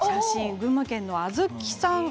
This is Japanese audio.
群馬県のあずきさん